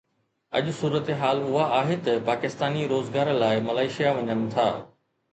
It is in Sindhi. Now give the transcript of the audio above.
اڄ صورتحال اها آهي ته پاڪستاني روزگار لاءِ ملائيشيا وڃن ٿا.